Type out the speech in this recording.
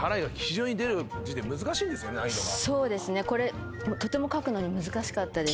そうですねこれとても書くの難しかったです。